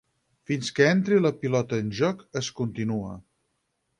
Fins que entri la pilota en joc; es continua.